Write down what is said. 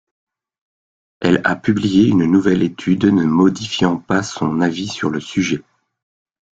Elle a publié une nouvelle étude ne modifiant pas son avis sur le sujet.